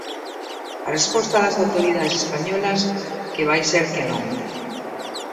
A resposta das autoridades españolas: que vai ser que non.